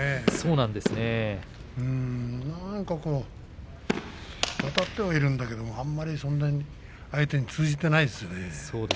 なんか、あたってはいるんだけどそんなに相手に通じていないですよね。